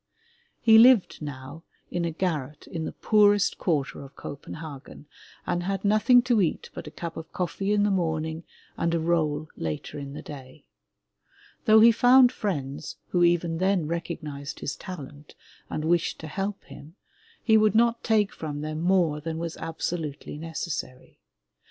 He lived now in a garret in the poorest quarter of Copenhagen and had nothing to eat but a cup of coffee in the morning and a roll later in the day. Though he found friends who even then recognized his talent and wished to help him, he would not take from them more than was absolutely necessary.